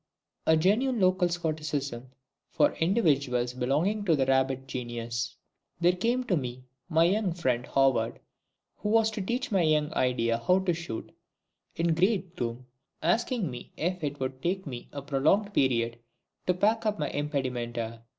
a genuine local Scotticism for individuals belonging to the rabbit genius), there came to me my young friend HOWARD, who was to teach my young idea how to shoot, in great gloom, asking me if it would take me a prolonged period to pack up my impedimenta.